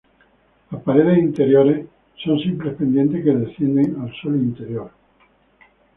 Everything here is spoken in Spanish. Las paredes interiores son simples pendientes que descienden al suelo interior.